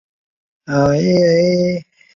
森信托则对此表达反对。